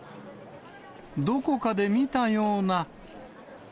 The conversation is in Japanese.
どこかで見たような。